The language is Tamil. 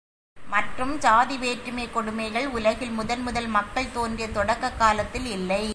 மற்றும் சாதி வேற்றுமைக் கொடுமைகள் உலகில் முதல் முதல் மக்கள் தோன்றிய தொடக்கக் காலத்தில் இல்லை.